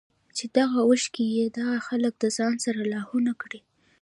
چې دغه اوښکې ئې دا خلک د ځان سره لاهو نۀ کړي